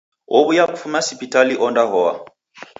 Owuya kufuma sipitali ondahoa